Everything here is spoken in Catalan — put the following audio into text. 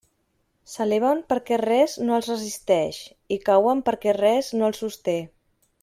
S'eleven perquè res no els resisteix i cauen perquè res no els sosté.